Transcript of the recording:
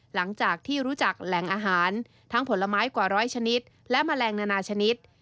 หลังจากที่รู้จักแหล่งอาหารทั้งผลไม้กว่าร้อยชนิดและแมลงนานาชนิด